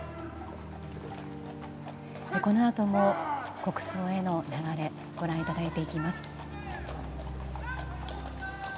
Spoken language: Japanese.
このあとも国葬への流れご覧いただいていきます。